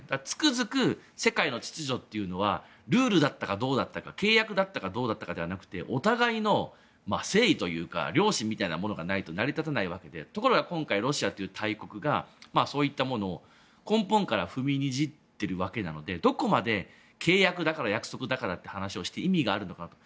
つくづく、世界の秩序というのはルールだったかどうだったか契約だったかどうだったかではなくてお互いの誠意というか良心みたいなものがないと成り立たないわけでところが今回ロシアという大国がそういったものを根本から踏みにじってるわけなのでどこまで、契約だから約束だからって話をして意味があるのか。